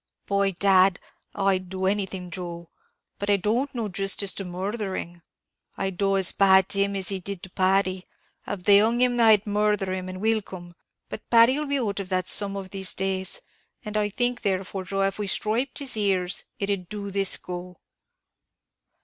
"By dad, I'd do anything, Joe; but I don't know jist as to murthering. I'd do as bad to him as he did to Paddy: av they hung him, then I'd murther him, and wilcome; but Paddy'll be out of that some of these days and I think therefore, Joe, av we stripped his ears, it'd do this go."